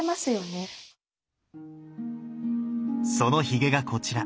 そのヒゲがこちら。